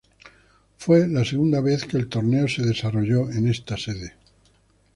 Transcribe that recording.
Fue la segunda vez que el torneo se desarrolló en esta sede.